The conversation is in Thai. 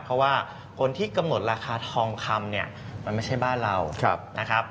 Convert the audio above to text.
เพราะว่าคนที่กำหนดราคาทองคำเนี่ยมันไม่ใช่บ้านเรานะครับ